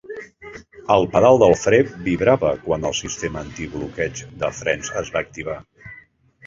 El pedal del fre vibrava quan el sistema antibloqueig de frens es va activar.